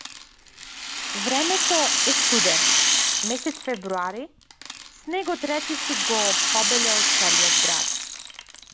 Времето е студено, месец февруари, снегот речиси го побелел целиот град.